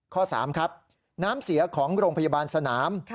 ข้อ๓ครับน้ำเสียของโรงพยาบาลสนาม